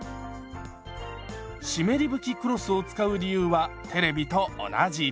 湿り拭きクロスを使う理由はテレビと同じ。